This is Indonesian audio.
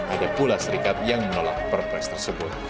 ada pula serikat yang menolak perpres tersebut